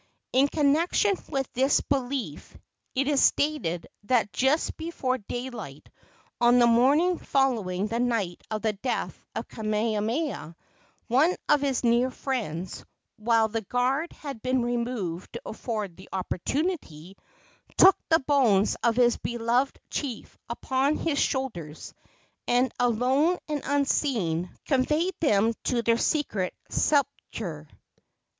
In connection with this belief it is stated that just before daylight on the morning following the night of the death of Kamehameha, one of his nearest friends, while the guard had been removed to afford the opportunity, took the bones of his beloved chief upon his shoulders, and, alone and unseen, conveyed them to their secret sepulchre.